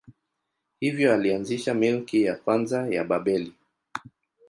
Hivyo alianzisha milki ya kwanza ya Babeli.